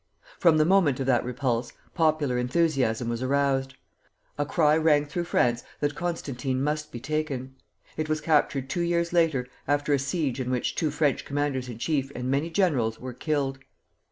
From the moment of that repulse, popular enthusiasm was aroused. A cry rang through France that Constantine must be taken. It was captured two years later, after a siege in which two French commanders in chief and many generals were killed.